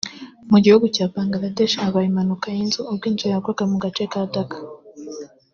Mu gihugu cya Bangladesh habaye impanuka y’inzu ubwo inzu yagwaga mu gace ka Dhaka